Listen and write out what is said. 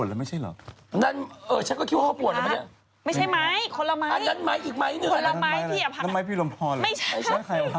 เขาปวดแล้วไม่ใช่เหรอ